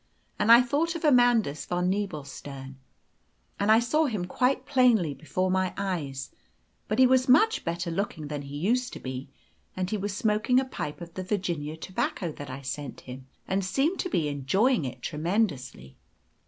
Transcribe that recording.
And I thought of Amandus von Nebelstern. And I saw him quite plainly before my eyes, but he was much better looking than he used to be, and he was smoking a pipe of the Virginian tobacco that I sent him, and seemed to be enjoying it tremendously.